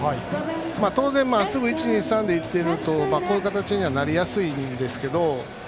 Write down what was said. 当然、まっすぐ１、２、３でいってるとこういう形にはなりやすいんですけど。